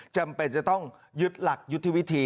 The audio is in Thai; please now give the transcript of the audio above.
จำเป็นจะต้องยึดหลักยุทธวิธี